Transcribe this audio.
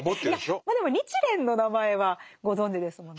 いやでも日蓮の名前はご存じですもんね。